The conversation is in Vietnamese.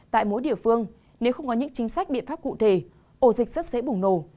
tại mỗi địa phương nếu không có những chính sách biện pháp cụ thể ổ dịch rất dễ bùng nổ